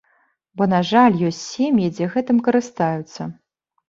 Бо, на жаль, ёсць сем'і, дзе гэтым карыстаюцца.